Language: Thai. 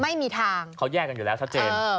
ไม่มีทางเขาแยกกันอยู่แล้วชัดเจน